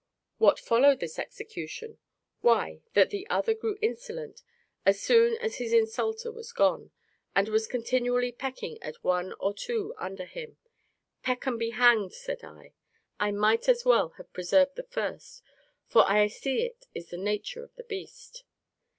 What followed this execution? Why that other grew insolent, as soon as his insulter was gone, and was continually pecking at one or two under him. Peck and be hanged, said I, I might as well have preserved the first, for I see it is the nature of the beast.